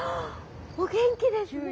お元気ですね。